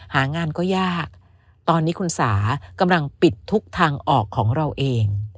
หางานก็ยากตอนนี้คุณสากำลังปิดทุกทางออกของเราเอง